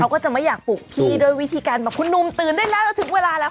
เขาก็จะไม่อยากปลุกพี่ด้วยวิธีการบอกคุณหนุ่มตื่นได้แล้วถึงเวลาแล้ว